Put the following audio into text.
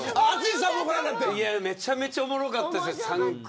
めちゃめちゃおもろかった。